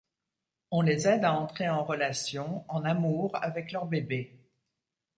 On les aide à entrer en relation, en amour avec leur bébé.